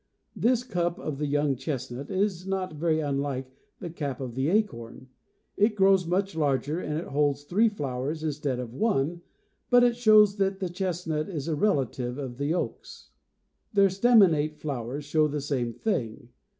This cup of the young chestnut is not very unlike the cap of the acorn. It grows much larger and it holds three flowers, instead of one, but it shows that the chestnut is a relative of the oaks. 70 Their staminate flowers show the same thing.